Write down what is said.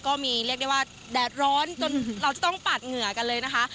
เรียกได้ว่าแดดร้อนจนเราจะต้องปาดเหงื่อกันเลยนะคะ